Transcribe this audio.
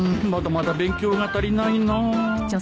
まだまだ勉強が足りないな